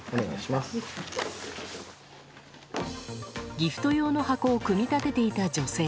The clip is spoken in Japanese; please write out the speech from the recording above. ギフト用の箱を組み立てていた女性。